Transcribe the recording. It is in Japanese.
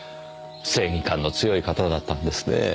正義感の強い方だったんですねえ。